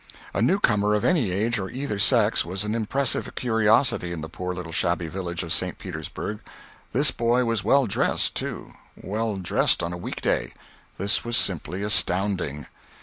A new comer of any age or either sex was an im pressive curiosity in the poor little shabby village of St. Petersburg. This boy was well dressed, too—well dressed on a week day. This was simply astounding.